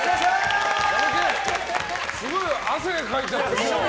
すごい汗かいちゃって。